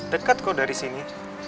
dekat kok dari sini